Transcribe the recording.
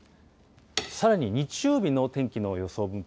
さらに、日曜日の天気の予想分布